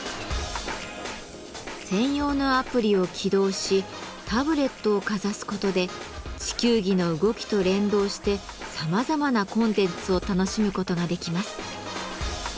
専用のアプリを起動しタブレットをかざすことで地球儀の動きと連動してさまざまなコンテンツを楽しむことができます。